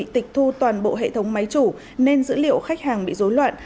tịch thu toàn bộ hệ thống máy chủ nên dữ liệu khách hàng bị dối loạn